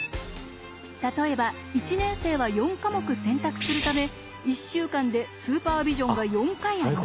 例えば１年生は４科目選択するため１週間でスーパービジョンが４回あります。